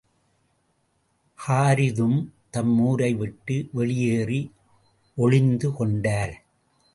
ஹாரிதும் தம் ஊரை விட்டு, வெளியேறி, ஒளிந்து கொண்டார்.